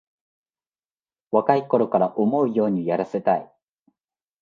若いから思うようにやらせたい